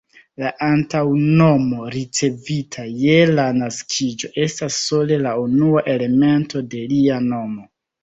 La antaŭnomo, ricevita je la naskiĝo, estas sole la unua elemento de lia nomo.